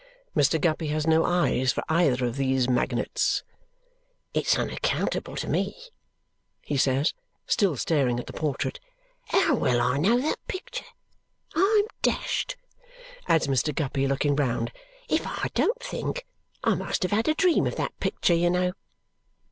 Mr. Guppy has no eyes for either of these magnates. "It's unaccountable to me," he says, still staring at the portrait, "how well I know that picture! I'm dashed," adds Mr. Guppy, looking round, "if I don't think I must have had a dream of that picture, you know!"